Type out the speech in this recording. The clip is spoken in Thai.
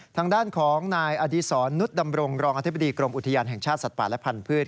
ทางด้านของนายอดีศรนุษย์ดำรงรองอธิบดีกรมอุทยานแห่งชาติสัตว์ป่าและพันธุ์